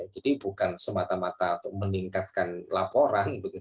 jadi bukan semata mata meningkatkan laporan